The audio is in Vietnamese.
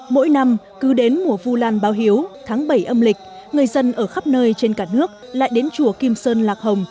mỗi năm cứ đến mùa vu lan báo hiếu tháng bảy âm lịch người dân ở khắp nơi trên cả nước lại đến chùa kim sơn lạc hồng